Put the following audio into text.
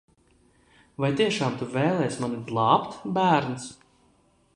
Vai tiešām tu vēlies mani glābt, bērns?